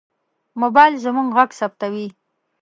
موبایل زموږ غږ ثبتوي.